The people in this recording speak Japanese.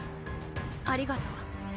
ありがとう。